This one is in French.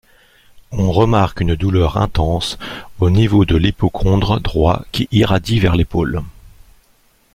On remarque une douleur intense au niveau de l'hypochondre droit qui irradie vers l'épaule.